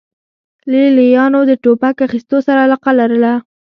لې لیانو د ټوپک اخیستو سره علاقه لرله